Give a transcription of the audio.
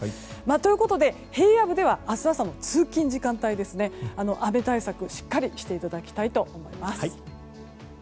ということで平野部では明日朝も通勤時間帯雨対策をしっかりしていただきたいと思います。